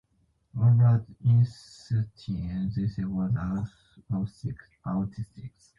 Albert Einstein they say was autistic.